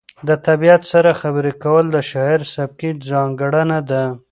د طبیعت سره خبرې کول د شاعر سبکي ځانګړنه ده.